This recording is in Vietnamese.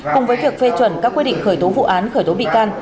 cùng với việc phê chuẩn các quy định khởi tố vụ án khởi tố bị can